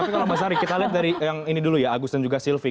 tapi kalau mbak sari kita lihat dari yang ini dulu ya agus dan juga silvi